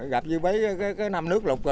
gặp như mấy cái năm nước lục rồi